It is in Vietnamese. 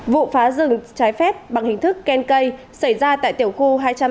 vụ phá rừng trái phép bằng hình thức khen cây xảy ra tại tiểu khu hai trăm ba mươi